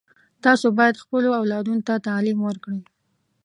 تاسو باید خپلو اولادونو ته تعلیم ورکړئ